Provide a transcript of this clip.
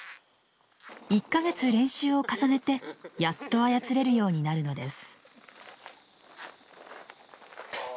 １か月練習を重ねてやっと操れるようになるのです。